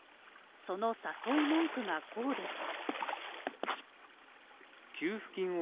その誘い文句がこうです。